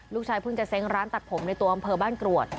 เพิ่งจะเซ้งร้านตัดผมในตัวอำเภอบ้านกรวด